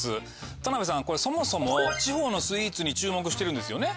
田辺さんこれそもそも地方のスイーツに注目してるんですよね？